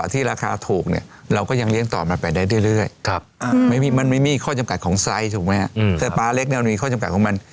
แต่ปลาเล็กมันมีข้อจำกัดของมัน